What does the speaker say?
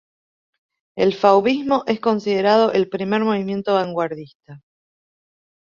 El fauvismo es considerado el primer movimiento vanguardista.